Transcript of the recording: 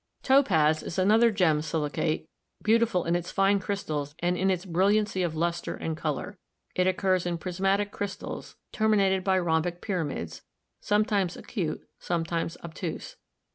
Topaz is another gem silicate, beautiful in its fine crys tals and in its brilliancy of luster and color. It occurs in prismatic crystals, terminated by rhombic pyramids, some times acute, sometimes obtuse.